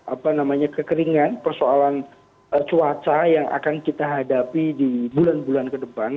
apa namanya kekeringan persoalan cuaca yang akan kita hadapi di bulan bulan ke depan